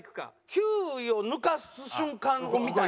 ９位を抜かす瞬間を見たい。